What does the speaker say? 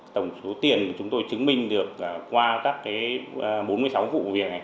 tổng số tiền chúng tôi chứng minh được qua các cái bốn mươi sáu vụ của việc này